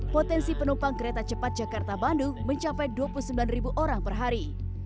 potensi penumpang kereta cepat jakarta bandung mencapai dua puluh sembilan orang per hari